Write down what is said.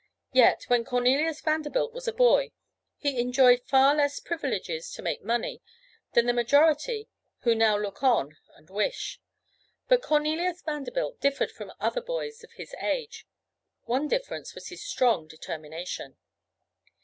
Yet, when Cornelius Vanderbilt was a boy, he enjoyed far less privileges to make money than the majority who now look on and wish; but Cornelius Vanderbilt differed from other boys of his age. One difference was his strong determination.